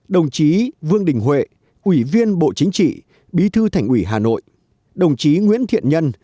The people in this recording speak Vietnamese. đồng chí nguyễn thiện nhân